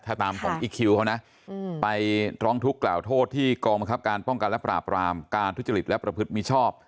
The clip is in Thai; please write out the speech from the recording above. ถ้าตามของอีคิวเขานะไปร้องทุกข์กล่าวโทษที่กองบังคับการป้องกันและปราบรามการทุจริตและประพฤติมิชอบ